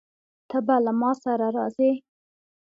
ته به له ما سره راځې؟